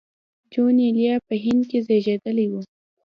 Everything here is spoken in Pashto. جون ایلیا په هند کې زېږېدلی و